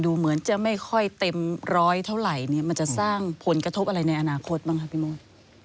เหมือนจะไม่ค่อยเต็มร้อยเท่าไหร่เนี่ยมันจะสร้างผลกระทบอะไรในอนาคตบ้างครับพี่มด